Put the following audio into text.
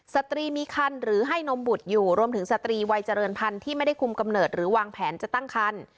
สตรีมีคันหรือให้นมบุตรอยู่รวมถึงสตรีวัยเจริญพันธุ์ที่ไม่ได้คุมกำเนิดหรือวางแผนจะตั้งคัน